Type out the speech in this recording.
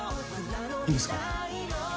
いいんですか？